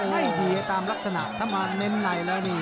ไม่ดีตามลักษณะถ้ามาเน้นในแล้วนี่